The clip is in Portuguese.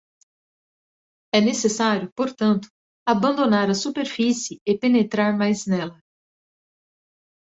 É necessário, portanto, abandonar a superfície e penetrar mais nela.